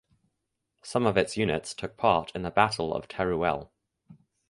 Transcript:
Some of its units took part in the Battle of Teruel.